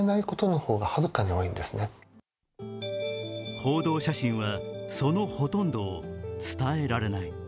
報道写真は、そのほとんどを伝えられない。